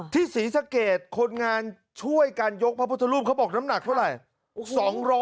ศรีสะเกดคนงานช่วยกันยกพระพุทธรูปเขาบอกน้ำหนักเท่าไหร่